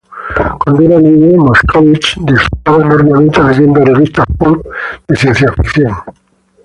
Cuando era niño, Moskowitz disfrutaba enormemente leyendo revistas "pulp" de ciencia ficción.